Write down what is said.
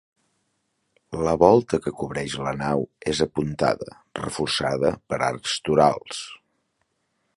La volta que cobreix la nau és apuntada, reforçada per arcs torals.